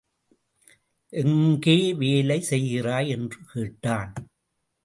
எங்கே வேலை செய்கிறாய் என்று கேட்டான்.